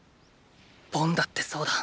ボンだってそうだ。